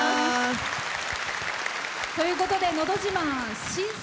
ということで「のど自慢」新装